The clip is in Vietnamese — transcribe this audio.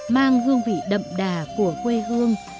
mang hương vị đậm đà của quê hương